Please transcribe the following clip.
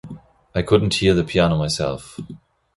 I couldn't hear the piano myself.